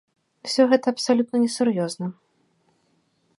Усё гэта абсалютна несур'ёзна.